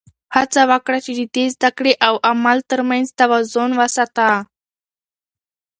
هڅه وکړه چې د زده کړې او عمل تر منځ توازن وساته.